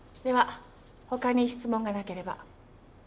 では他に質問がなければ。